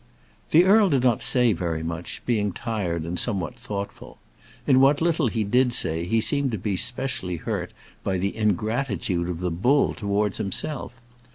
The earl did not say very much, being tired and somewhat thoughtful. In what little he did say he seemed to be specially hurt by the ingratitude of the bull towards himself.